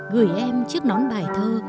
gửi em chiếc nón bài thơ